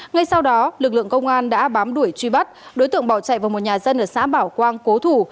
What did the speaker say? ngay sau đó lực lượng công an đã bám đuổi truy bắt đối tượng bỏ chạy vào một nhà dân ở xã bảo quang cố thủ